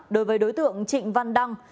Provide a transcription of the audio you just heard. đối với đối tượng trịnh văn đăng